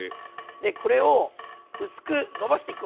でこれを薄くのばしていくわけですよ。